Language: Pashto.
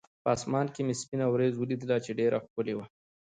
په اسمان کې مې سپینه ورېځ ولیدله، چې ډېره ښکلې وه.